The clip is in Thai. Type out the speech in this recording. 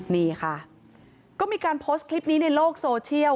นี่ค่ะก็มีการโพสต์คลิปนี้ในโลกโซเชียล